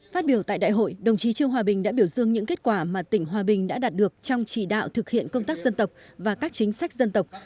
phát biểu tại đại hội đồng chí trương hòa bình đã biểu dương những kết quả mà tỉnh hòa bình đã đạt được trong chỉ đạo thực hiện công tác dân tộc và các chính sách dân tộc